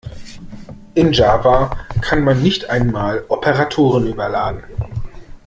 In Java kann man nicht einmal Operatoren überladen.